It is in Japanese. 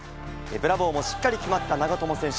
ブラボーもしっかり決まった長友選手。